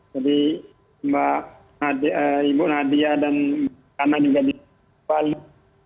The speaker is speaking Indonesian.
jadi mbak ibu nadia dan anak anak di bali